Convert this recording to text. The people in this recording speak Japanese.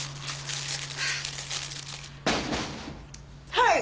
はい。